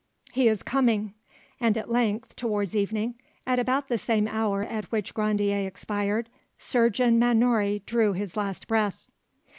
he is coming!" and at length, towards evening, at about the same hour at which Grandier expired, Surgeon Mannouri drew his last breath.